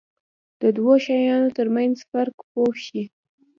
د دوو شیانو ترمنځ په فرق پوه شي.